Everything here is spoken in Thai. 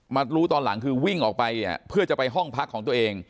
มารู้ตอนหลังคือวิ่งออกไปเนี่ยเพื่อจะไปห้องพักของตัวเอง